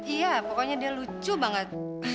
iya pokoknya dia lucu banget